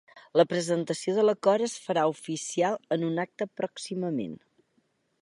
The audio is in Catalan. La presentació de l’acord es farà oficial en un acte pròximament.